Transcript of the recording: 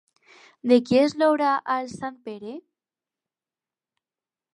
De qui és l'obra Als Santpere?